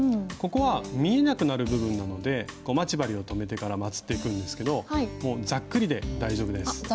ここは見えなくなる部分なので待ち針を留めてからまつっていくんですけどもうざっくりで大丈夫です。